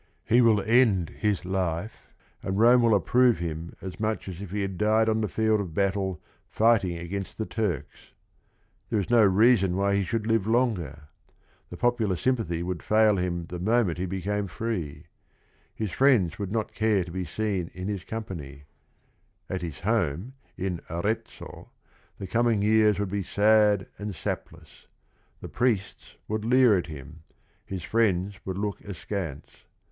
H« win tud hib life, and Rome will approve him as much as if he had died on the field of battle fighting against the Turks. Th«e Js BG ieascui_adiy_Jie_shojiLi_live " fouge r: — The popular sympathy would fail him the moment he became free. His friends would not care to be seen in his company. At his home, in Arezzo, the coming years would be "sad and sapless." The priests would leer at him; his friends would look askance.